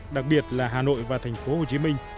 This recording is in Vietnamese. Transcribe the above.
đặc biệt là hà nội và tp hcm